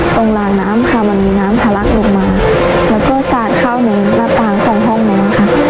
ตรงรางน้ำค่ะมันมีน้ำทะลักลงมาแล้วก็สาดเข้าหนูหน้าต่างของห้องหนูอะค่ะ